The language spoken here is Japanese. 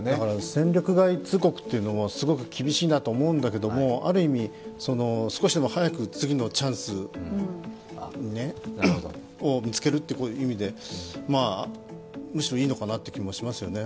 戦力外通告っていうのはすごく厳しいなと思うんだけれどある意味、少しでも早く次のチャンスを見つけるという意味でむしろ、いいのかなという気もしますよね。